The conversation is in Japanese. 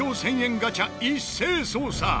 ガチャ一斉捜査。